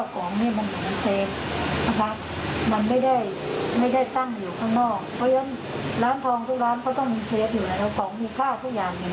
ก็เราร้านนั้นแหละ๓๐๐บาทมันก็ออกลงมา๓๐อย่างเลย